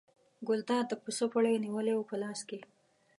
ګلداد د پسه پړی نیولی و په لاس کې.